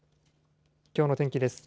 きょうの天気です。